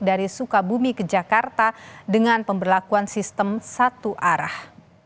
dari sukabumi ke jakarta dengan pemberlakuan sistem satu arah